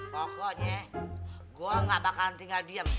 pokoknya gue nggak bakalan tinggal diam